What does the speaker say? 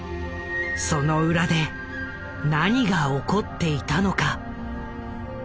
その裏で何が起こっていたのか。